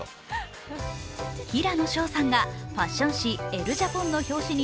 平野紫耀さんがファション誌「ＥＬＬＥＪＡＰＯＮ」の表紙に